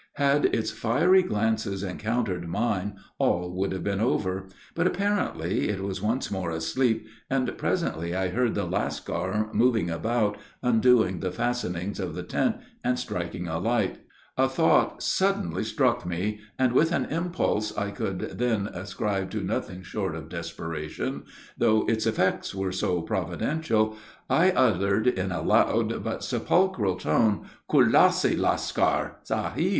Had its fiery glances encountered mine, all would have been over; but, apparently, it was once more asleep, and presently I heard the Lascar moving about, undoing the fastenings of the tent, and striking a light. A thought suddenly struck me, and, with an impulse I could then ascribe to nothing short of desperation, though its effects were so providential, I uttered, in a loud, but sepulchral tone, "Kulassi! Lascar." "Sahib!"